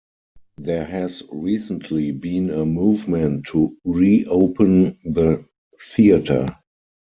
There has recently been a movement to re-open the theater.